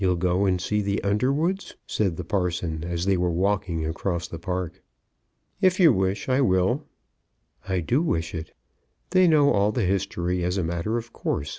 [Illustration: "You'll go and see the Underwoods," said the parson, as they were walking across the park.] "If you wish it, I will." "I do wish it. They know all the history as a matter of course.